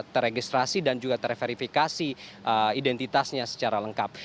teregistrasi dan juga terverifikasi identitasnya secara lengkap